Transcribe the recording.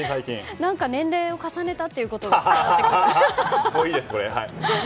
年齢を重ねたということが伝わってきますね。